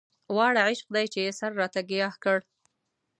واړه عشق دی چې يې سر راته ګياه کړ